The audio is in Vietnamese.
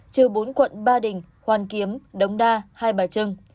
trừ bốn quận ba đình hoàn kiếm đống đa hai bà trưng